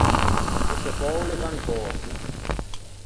E sò poule van pöco.